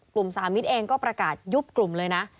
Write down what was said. สามิตรเองก็ประกาศยุบกลุ่มเลยนะ